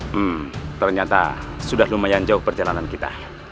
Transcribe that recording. hmm ternyata sudah lumayan jauh perjalanan kita